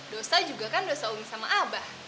dosa juga kan dosa umi sama abah